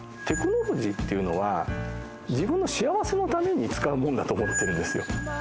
テクノロジーっていうのは自分の幸せのために使うものだと思ってるんですよ。